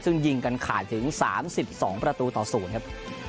ซึ่งยิงกันขาดถึง๓๒ประตูต่อ๐ครับ